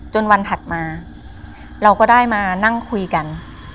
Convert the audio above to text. วันถัดมาเราก็ได้มานั่งคุยกัน